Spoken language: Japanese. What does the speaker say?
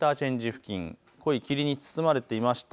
付近、濃い霧に包まれていました。